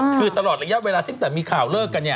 คือตลอดระยะเวลาตั้งแต่มีข่าวเลิกกันเนี่ย